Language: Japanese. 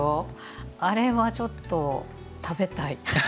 あれは、ちょっと食べたい。